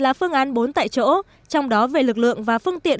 là phương án bốn tại chỗ trong đó về lực lượng và phương tiện